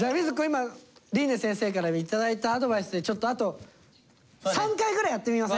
今琳寧先生から頂いたアドバイスでちょっとあと３回ぐらいやってみません？